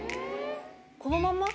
・・このまんま？